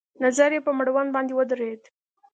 نظر يې په مړوند باندې ودرېد.